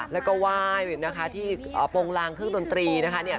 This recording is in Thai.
แล้วก็ไหว้เป็นนะคะที่อ่าโปรงรางเครื่องกะดดนตรีนะคะเนี่ย